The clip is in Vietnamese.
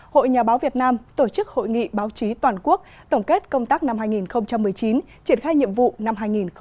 hội nhà báo việt nam tổ chức hội nghị báo chí toàn quốc tổng kết công tác năm hai nghìn một mươi chín triển khai nhiệm vụ năm hai nghìn hai mươi